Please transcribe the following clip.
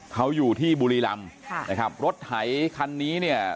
เขาอยู่ที่บุรีรำค่ะนะครับรถไถคันนี้เนี่ย